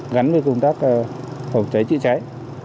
gắn với công tác phòng cháy trị cháy